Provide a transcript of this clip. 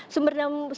sumber daya manusia